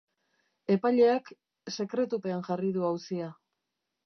Epaileak sekretupean jarri du auzia.